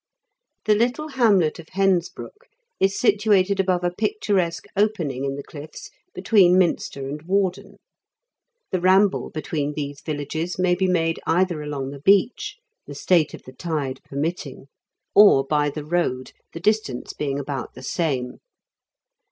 The little hamlet of Hensbrook is situated above a picturesque opening in the cliffs between Minster and Warden. The ramble between these villages may be made either along the beach (the state of the tide permitting) or by the road, the distance being about the same.